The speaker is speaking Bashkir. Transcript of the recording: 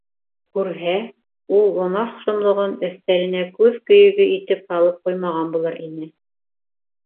Күрһә, ул гонаһ шомлоғон өҫтәленә күҙ көйөгө итеп һалып ҡуймаған булыр ине.